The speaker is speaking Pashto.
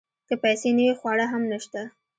که پیسې نه وي خواړه هم نشته .